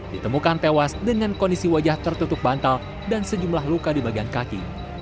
ditemukan tewas dengan kondisi wajah tertutup bantal dan sejumlah luka di bagian kaki